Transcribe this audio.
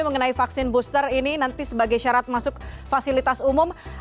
mengenai vaksin booster ini nanti sebagai syarat masuk fasilitas umum